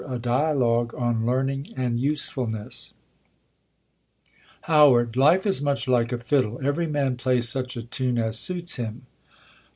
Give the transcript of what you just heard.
A Dialogue on Learning and Usefulness, TT 7 X IFE is much like a fiddle: every man J_ii plays such a tune as suits him.